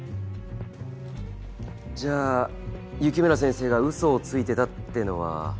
じゃあ雪村先生がウソをついてたってのは。